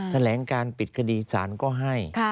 แถลงการปิดคดีศาลก็ให้